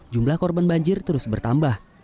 jumlah korban banjir terus bertambah